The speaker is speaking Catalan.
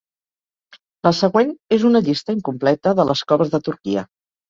La següent és una llista incompleta de les coves de Turquia.